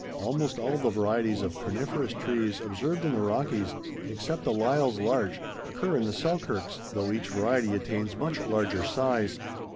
Almost all the varieties of coniferous trees observed in the Rockies, except the Lyall's larch, occur in the Selkirks, though each variety attains much larger size.